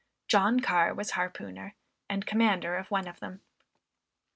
John Carr was harpooner and commander of one of them.